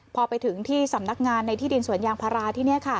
พอไปถึงที่สำนักงานในที่ดินสวนยางพาราที่นี่